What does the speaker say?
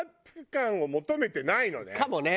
かもね！